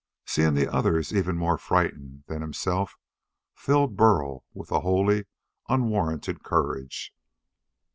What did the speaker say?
Seeing the others even more frightened than himself filled Burl with a wholly unwarranted courage.